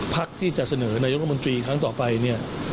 พักที่จะเสนอของนายกบครั้งต่อไปเนี่ย